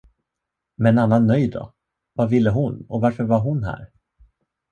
Men Anna Nöjd då, vad ville hon och varför var hon här?